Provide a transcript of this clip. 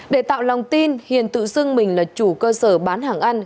để tạo lòng tin hiền tự xưng mình là chủ cơ sở bán hàng ăn